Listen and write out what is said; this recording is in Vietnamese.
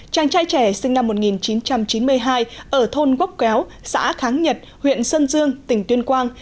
chàng trai trẻ sinh năm một nghìn chín trăm chín mươi hai ở thôn quốc kéo xã kháng nhật huyện sơn dương tỉnh tuyên quang